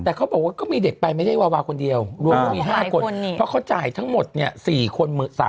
แต่เขาบอกว่าก็มีเด็กไปไม่ได้วาวาคนเดียวรวมก็มี๕คนเพราะเขาจ่ายทั้งหมดเนี่ย๔คน